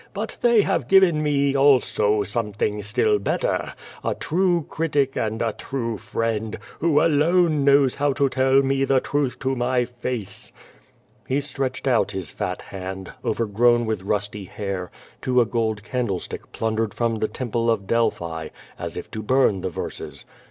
"But they have given me also something still better — ^a true critic and a true friend, who alone knows how to tell me the truth to my face." He stretched out his fat hand, overgrown with rusty hair, to a gold candle stick plundered from the temple of Delphi, as if to burn the verses.